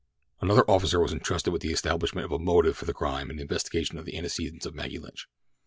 Another officer was entrusted with the establishment of a motive for the crime and an investigation of the antecedents of Maggie Lynch.